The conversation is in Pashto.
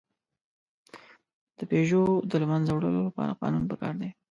د پيژو د له منځه وړلو لپاره قانون پکار دی.